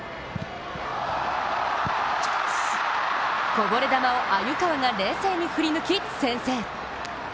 こぼれ球を鮎川が冷静に振り抜き先制。